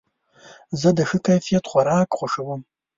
زه د ښه کیفیت خوراک خوښوم.